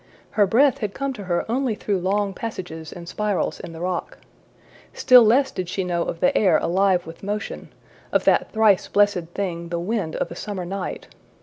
Her breath had come to her only through long passages and spirals in the rock. Still less did she know of the air alive with motion of that thrice blessed thing, the wind of a summer night.